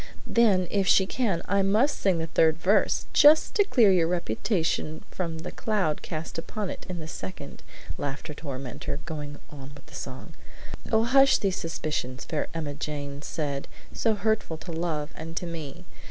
"Then, if she can, I must sing the third verse, just to clear your reputation from the cloud cast upon it in the second," laughed her tormentor, going on with the song: "'Oh, hush these suspicions!' Fair Emmajane said, 'So hurtful to love and to me!